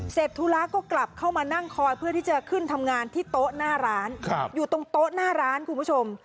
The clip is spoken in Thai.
ธุระก็กลับเข้ามานั่งคอยเพื่อที่จะขึ้นทำงานที่โต๊ะหน้าร้านอยู่ตรงโต๊ะหน้าร้านคุณผู้ชม